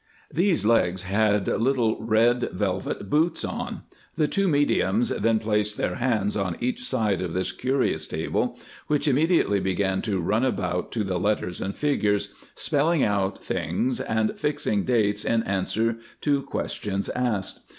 These legs had little red velvet boots on. The two mediums then placed their hands on each side of this curious table, which immediately began to run about to the letters and figures, spelling out things and fixing dates in answer to questions asked.